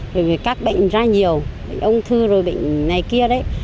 rồi các bệnh ra nhiều bệnh ung thư rồi bệnh này kia đấy